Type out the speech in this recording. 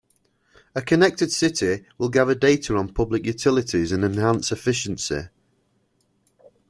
A connected city will gather data on public utilities and enhance efficiency.